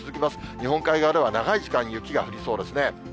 日本海側では長い時間、雪が降りそうですね。